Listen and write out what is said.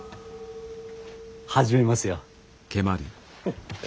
始めますよ。